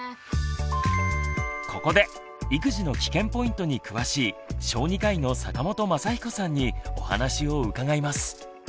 ここで育児のキケンポイントに詳しい小児科医の坂本昌彦さんにお話を伺います。